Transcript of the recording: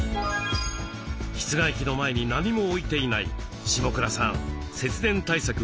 室外機の前に何も置いていない下倉さん節電対策バッチリです。